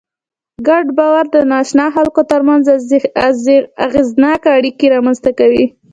ګډ باور د ناآشنا خلکو تر منځ اغېزناکه اړیکې رامنځ ته کوي.